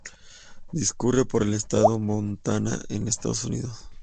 Discurre por el estado de Montana, en Estados Unidos.